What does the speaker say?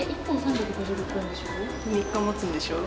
３日もつんでしょ？